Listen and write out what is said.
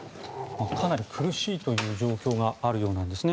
かなり苦しいという状況があるようなんですね。